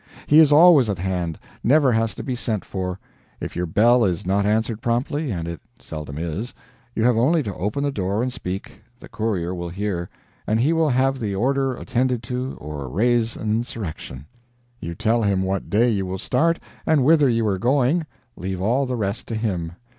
He is always at hand, never has to be sent for; if your bell is not answered promptly and it seldom is you have only to open the door and speak, the courier will hear, and he will have the order attended to or raise an insurrection. You tell him what day you will start, and whither you are going leave all the rest to him.